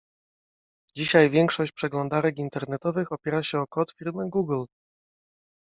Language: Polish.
Dzisiaj większość przeglądarek internetowych opiera się o kod firmy Google.